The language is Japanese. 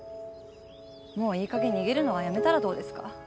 もういいかげん逃げるのはやめたらどうですか？